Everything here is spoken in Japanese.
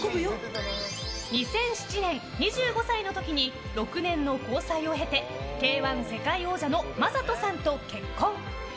２０１７年２５歳の時に６年の交際を経てＫ‐１世界王者の魔裟斗さんと結婚。